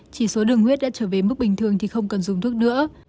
chỉ số đường huyết đã trở về mức bình thường thì không cần dùng thuốc nữa